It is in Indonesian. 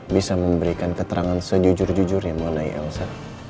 bisa memberikan keterangan sejujur jujur yang mengenai elsa